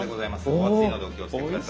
お熱いのでお気をつけ下さい。